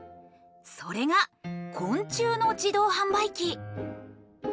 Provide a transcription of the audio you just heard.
それが昆虫の自動販売機！